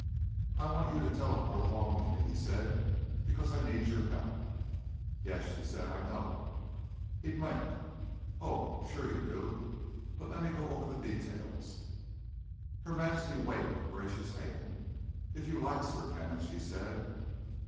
"I wanted you to teleport along with me," he said, "because I need your help." "Yes," she said. "I know." He blinked. "Oh. Sure you do. But let me go over the details." Her Majesty waved a gracious hand. "If you like, Sir Kenneth," she said.